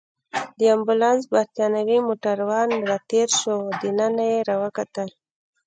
د امبولانس بریتانوی موټروان راتېر شو، دننه يې راوکتل.